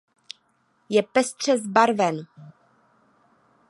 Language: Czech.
Je pestře zbarven.